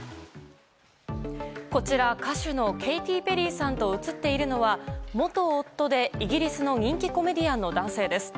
こちら、歌手のケイティ・ペリーさんと映っているのは元夫でイギリスの人気コメディアンの男性です。